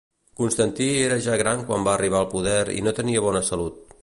Constantí era ja gran quan va arribar al poder i no tenia bona salut.